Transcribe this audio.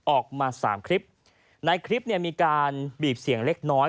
ออกมาสามคลิปในคลิปเนี่ยมีการบีบเสียงเล็กน้อย